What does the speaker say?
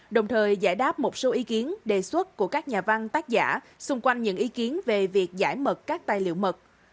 đồng thời giải đáp một số ý kiến đề xuất của các nhà văn tác giả xung quanh những ý kiến về việc giải mật các tài liệu mật